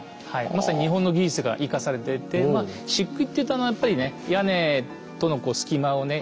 まさに日本の技術が生かされててしっくいっていうとやっぱりね屋根との隙間をね